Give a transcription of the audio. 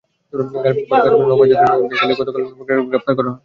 পরে হাতীবান্ধার নওদাবাস গ্রামে অভিযান চালিয়ে গতকাল ভোরে নান্নুকে গ্রেপ্তার করা হয়।